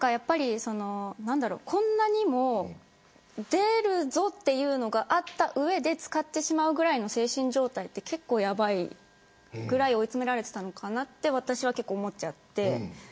こんなにも、出るぞというのがあった上で使ってしまうぐらいの精神状態は結構やばいぐらい追い詰められていたのかなと思っちゃって。